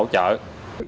từ các vụ trộm